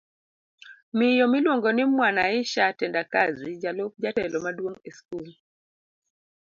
Miyo miluongo ni Mwanaisha Tendakazi jalup jatelo maduong' eskul